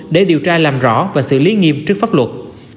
để điều tra làm rõ và xử lý nghiêm trước pháp luật